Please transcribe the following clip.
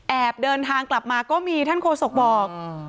เดินทางกลับมาก็มีท่านโฆษกบอก